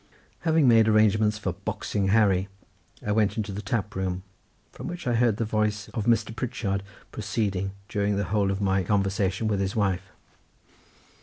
Having made arrangements for "boxing Harry" I went into the tap room, from which I had heard the voice of Mr. Pritchard proceeding during the whole of my conversation with his wife.